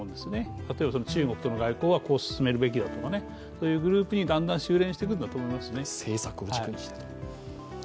例えば中国との外交はこう進めるべきだとか、そういうグループにだんだんしゅうれんしていくべきだと思います。